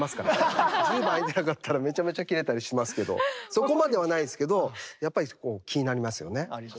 そこまではないですけどやっぱり気になりますよね。